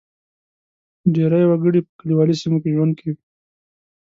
ډېری وګړي په کلیوالي سیمو کې ژوند کوي.